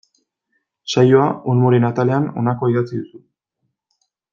Saioa Olmoren atalean honakoa idatzi duzu.